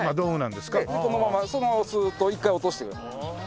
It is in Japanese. でこのままそのままスーッと一回落としてください。